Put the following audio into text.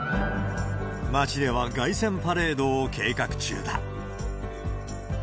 町では凱旋パレードを計画中だ。